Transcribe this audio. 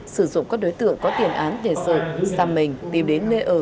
sử dụng các đối tượng có tiền án để sợ xăm mình tìm đến nơi ở